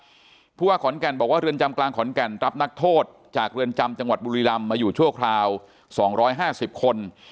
เพราะว่าขอนแก่นบอกว่าเรือนจำกลางขอนแก่นรับนักโทษจากเรือนจำจังหวัดบุรีรำมาอยู่ชั่วคราว๒๕๐คน